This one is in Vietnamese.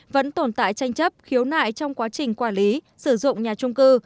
vẫn tồn tại tranh chấp khiếu nại trong quá trình quản lý sử dụng nhà trung cư